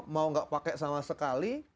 mau nggak pakai sama sekali